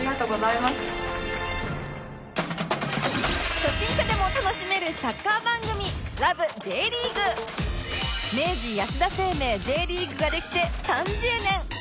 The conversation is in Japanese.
初心者でも楽しめるサッカー番組明治安田生命 Ｊ リーグができて３０年！